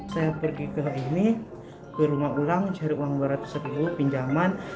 saya pergi ke ini ke rumah ulang cari uang dua ratus ribu pinjaman